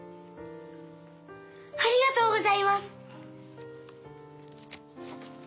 ありがとうございます！